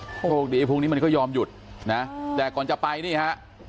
พวกดีพรุ่งนี้มันก็ยอมหยุดนะแต่ก่อนจะไปนี่ฮะ